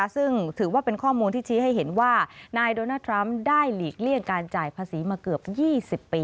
ซึ่งถือว่าเป็นข้อมูลที่ชี้ให้เห็นว่านายโดนัลดทรัมป์ได้หลีกเลี่ยงการจ่ายภาษีมาเกือบ๒๐ปี